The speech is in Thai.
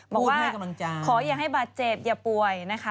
บอกว่าขออย่าให้บาดเจ็บอย่าป่วยนะคะ